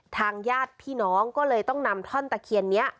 ทางญาติพี่น้องก็เลยต้องนำท่อนตะเคียนนี้